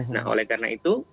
nah oleh karena itu